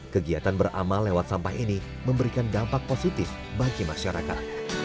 kegiatan beramal lewat sampah ini memberikan dampak positif bagi masyarakat